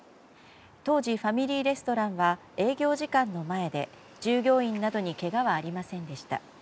当時ファミリーレストランは営業時間の前で従業員などにけがはありませんでした。